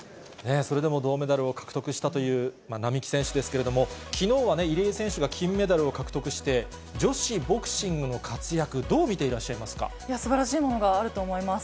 それでも銅メダルを獲得したという並木選手ですけれども、きのうは入江選手が金メダルを獲得して、女子ボクシングの活躍、すばらしいものがあると思います。